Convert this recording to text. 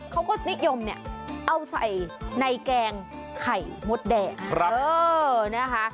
เขาก็นิยมเนี่ยเอาใส่ในแกงไข่มดแดงนะคะ